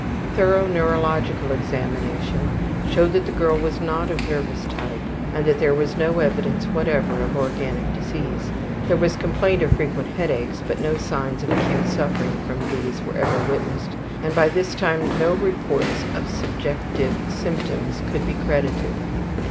Thorough neurological examination showed that the girl was not of nervous type and that there was no evidence whatever of organic disease. There was complaint of frequent headaches, but no signs of acute suffering from these were ever witnessed and by this time no reports of subjective symptoms could be credited.